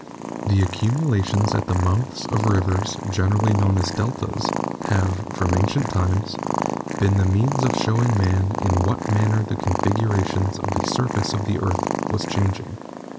The accumulations at the mouths of rivers, generally known as deltas, have, from ancient times, been the means of showing Man in what manner the configuration of the surface of the earth was changing.